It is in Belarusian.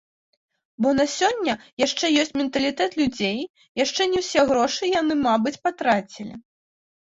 Бо на сёння яшчэ ёсць менталітэт людзей, яшчэ не ўсе грошы яны, мабыць, патрацілі.